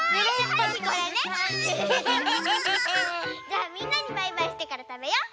じゃあみんなにバイバイしてからたべよう。